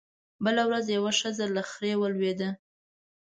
بله ورځ يوه ښځه له خرې ولوېده